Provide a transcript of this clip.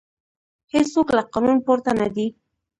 هیڅوک له قانون پورته نه دی